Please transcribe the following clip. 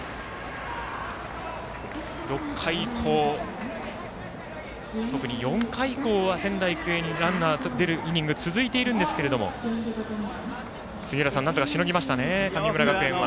６回以降、特に４回以降は仙台育英にランナー出るイニングが続いているんですが杉浦さん、なんとかしのぎました神村学園は。